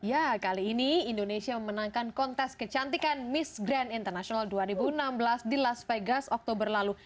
ya kali ini indonesia memenangkan kontes kecantikan miss grand international dua ribu enam belas di las vegas oktober lalu